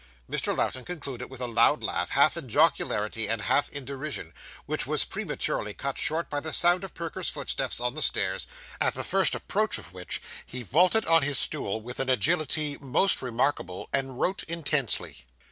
Mr. Lowten concluded with a loud laugh, half in jocularity, and half in derision, which was prematurely cut short by the sound of Perker's footsteps on the stairs, at the first approach of which, he vaulted on his stool with an agility most remarkable, and wrote intensely.